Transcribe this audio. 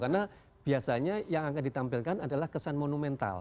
karena biasanya yang akan ditampilkan adalah kesan monumental